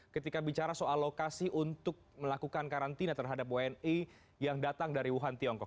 ketika bicara soal lokasi untuk melakukan karantina terhadap wni yang datang dari wuhan tiongkok